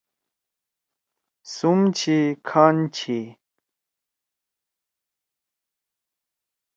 سُم چھی، کھان چھی